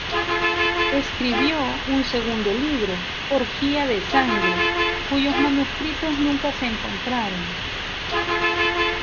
Escribió un segundo libro: Orgía de Sangre, cuyos manuscritos nunca se encontraron.